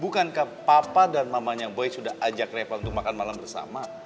bukankah papa dan mamanya boy sudah ajak replan untuk makan malam bersama